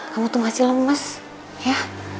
kamu tuh ngasih lemes ya